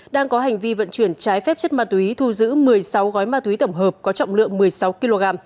đang có hành vi vận chuyển trái phép chất ma túy thu giữ một mươi sáu gói ma túy tổng hợp có trọng lượng một mươi sáu kg